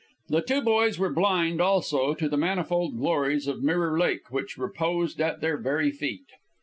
The two boys were blind, also, to the manifold glories of Mirror Lake which reposed at their very feet.